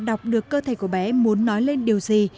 đọc được cơ thể của bé muốn nói lên điều gì